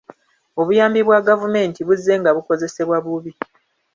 Obuyambi bwa gavumenti buzze nga bukozesebwa bubi.